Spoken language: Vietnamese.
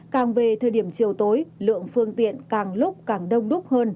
càng về thời điểm chiều tối lượng phương tiện càng lúc càng đông đúc hơn